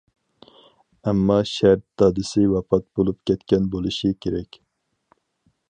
ئەمما شەرت دادىسى ۋاپات بولۇپ كەتكەن بولۇشى كېرەك.